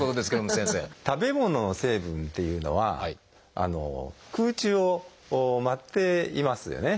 食べ物の成分っていうのは空中を舞っていますよね。